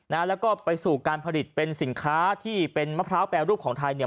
แล้วก็ไปสู่การผลิตเป็นสินค้าที่เป็นมะพร้าวแปรรูปของไทยเนี่ย